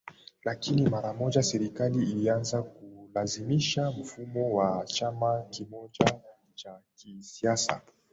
Lakini mara moja serikali ilianza kulazimisha mfumo wa chama kimoja cha kisiasa